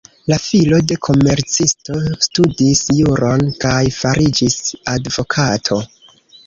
La filo de komercisto studis juron kaj fariĝis advokato.